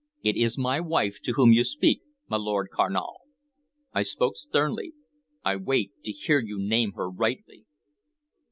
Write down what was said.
"It is my wife to whom you speak, my Lord Carnal," I said sternly. "I wait to hear you name her rightly."